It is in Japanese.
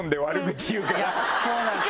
そうなんですよね！